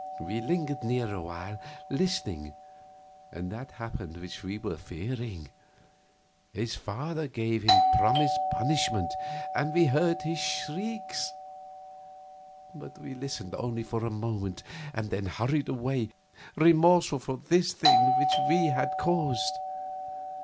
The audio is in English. We lingered near awhile, listening; and that happened which we were fearing. His father gave him the promised punishment, and we heard his shrieks. But we listened only a moment, then hurried away, remorseful for this thing which we had caused.